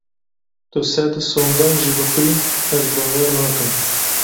Tu sed sondan jî bixwî ez bawer nakim.